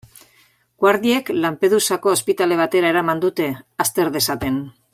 Guardiek Lampedusako ospitale batera eraman dute, azter dezaten.